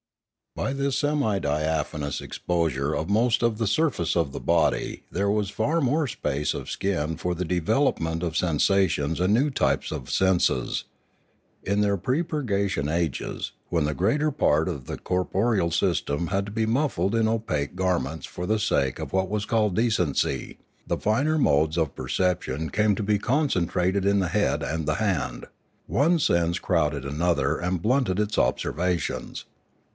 By this semi diaphanous exposure of most of the sur face of the body there was far more space of skin for the development of sensations and new types of senses. In their pre purgation ages, when the greater part of the corporeal system had to be muffled in opaque gar Ethics 581 ments for the sake of what was called decency, the finer modes of perception came to be concentrated in the head and the hand ; one sense crowded another and blunted its observations.